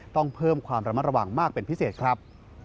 ต้องเพิ่มความระมัดระวังมากเป็นพิเศษครับ